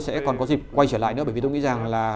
sẽ còn có dịp quay trở lại nữa bởi vì tôi nghĩ rằng là